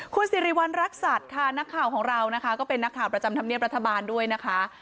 คุณสิริวัณรักษัตริย์ค่ะนักข่าวของเรานะคะก็เป็นนักข่าวประจำธรรมเนียบรัฐบาลด้วยนะคะ